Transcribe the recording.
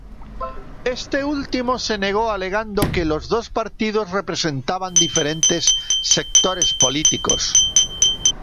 Este último se negó alegando que los dos partidos representaban diferentes sectores políticos.